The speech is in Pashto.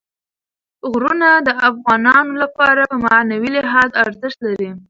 غرونه د افغانانو لپاره په معنوي لحاظ ارزښت لري.